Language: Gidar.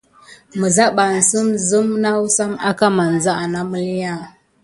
Mizabanih zime nasam aka masaha na məlinya an.